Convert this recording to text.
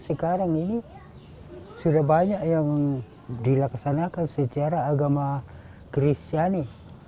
sekarang ini sudah banyak yang dilaksanakan secara agama kristiani